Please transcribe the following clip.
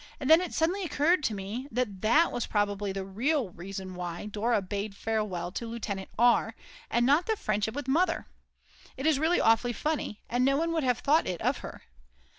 and then it suddenly occurred to me that that was probably the real reason why Dora bade farewell to Lieutenant R., and not the friendship with Mother; it is really awfully funny, and no one would have thought it of her.